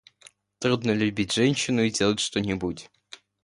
Трудно любить женщину и делать что-нибудь.